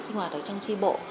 sinh hoạt ở trong tri bộ